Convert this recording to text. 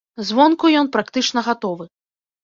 Звонку ён практычна гатовы.